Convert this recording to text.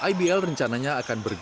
ibl rencananya akan berjalan